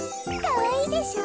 かわいいでしょ。